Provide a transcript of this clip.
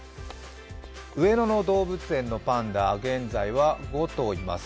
上野動物園のパンダ、現在は５頭います。